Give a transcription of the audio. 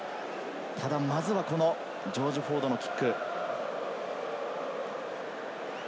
ただ、まずはジョージ・フォードのキック。